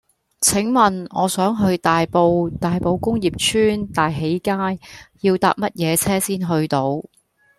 請問我想去大埔大埔工業邨大喜街要搭乜嘢車先去到